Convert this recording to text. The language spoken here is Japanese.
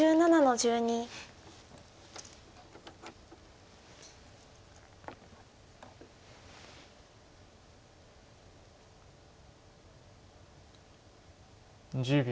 １０秒。